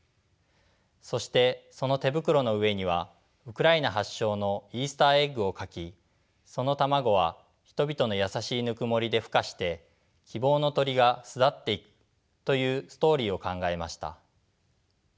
そしてその手袋の上にはウクライナ発祥のイースターエッグを描きその卵は人々の優しいぬくもりでふ化して希望の鳥が巣立っていくというストーリーを考えました。